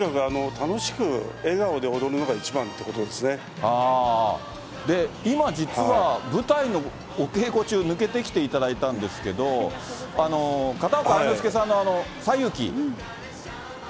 楽しく、笑顔で踊る今、実は舞台のお稽古中、抜けてきていただいたんですけど、片岡愛之助さんの西遊記。